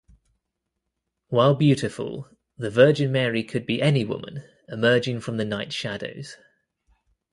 While beautiful, the Virgin Mary could be any woman, emerging from the night shadows.